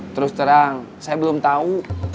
terus terang saya belum tahu